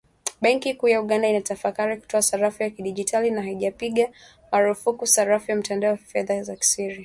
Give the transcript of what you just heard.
Benki kuu ya Uganda inatafakari kutoa sarafu ya kidigitali, na haijapiga marufuku sarafu ya kimtandao fedha za siri.